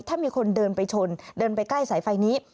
ถ้ามีคนเดินไปชนเดินไปใกล้สายไฟนี้